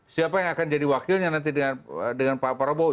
siapa yang akan jadi wakilnya nanti dengan pak prabowo